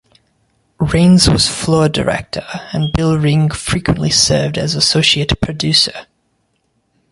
Rains was floor director and Bill Ring frequently served as associate producer.